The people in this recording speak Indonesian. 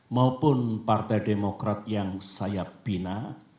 maupun partai demokrat yang saya bina